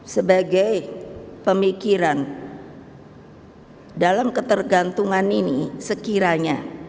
sebagai pemikiran dalam ketergantungan ini sekiranya